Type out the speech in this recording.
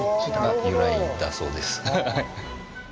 が、由来だそうです。